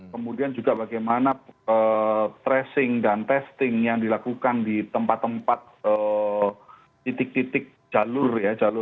kemudian juga bagaimana tracing dan testing yang dilakukan di tempat tempat titik titik jalur ya